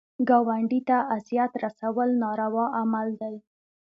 ګاونډي ته اذیت رسول ناروا عمل دی